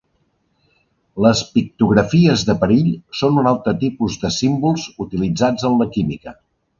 Les pictografies de perill són un altre tipus de símbols utilitzats en la química.